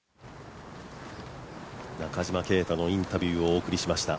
中島啓太のインタビューをお送りました。